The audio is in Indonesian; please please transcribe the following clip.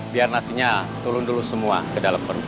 biar nasinya turun dulu semua ke dalam perut